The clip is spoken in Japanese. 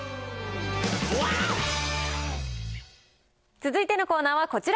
続いてのコーナーはこちら。